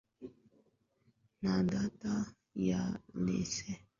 na data ya laser Tulitumia siku chache